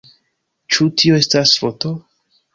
Ĉu tio estas foto?